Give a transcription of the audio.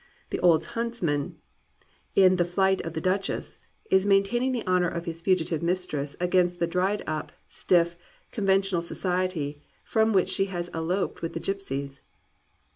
The old huntsman, in The Flight of the Duchess, is main taining the honour of his fugitive mistress against the dried up, stiff, conventional society from which she has eloped with the Gypsies.